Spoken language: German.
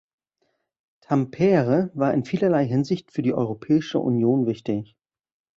Tampere war in vielerlei Hinsicht für die Europäische Union wichtig.